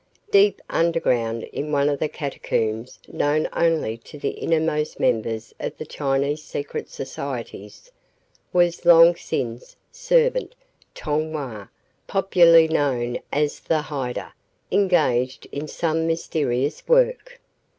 Deep underground, in one of the catacombs known only to the innermost members of the Chinese secret societies, was Long Sin's servant, Tong Wah, popularly known as "the hider," engaged in some mysterious work.